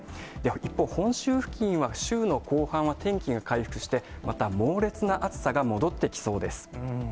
一方、本州付近は週の後半は天気が回復して、また猛烈な暑さが戻ってきそうです。